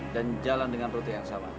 dan jalan dengan rute yang sama